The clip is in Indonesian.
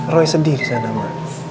roy sedih disana